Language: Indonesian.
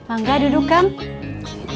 angga duduk kang